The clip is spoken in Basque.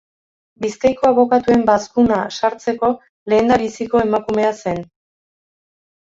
Bizkaiko Abokatuen Bazkuna sartzeko lehendabiziko emakumea zen.